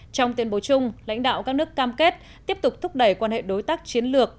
trong tuyên bố chung lãnh đạo các nước cam kết tiếp tục thúc đẩy quan hệ đối tác chiến lược